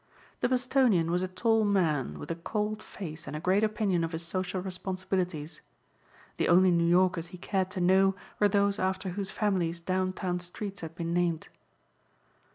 The Bostonian was a tall man with a cold face and a great opinion of his social responsibilities. The only New Yorkers he cared to know were those after whose families downtown streets had been named.